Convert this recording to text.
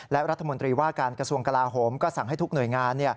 และรัฐมนตรีว่าการกระทรวงกลาโหมก็สั่งให้ทุกหน่วยงาน